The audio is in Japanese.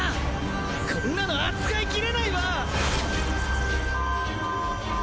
こんなの扱いきれないわ！